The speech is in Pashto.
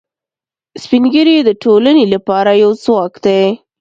سپین ږیری د ټولنې لپاره یو ځواک دي